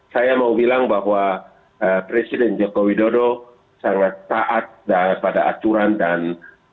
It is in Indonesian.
saya mau bilang bahwa presiden joko widodo sangat taat pada aturan dan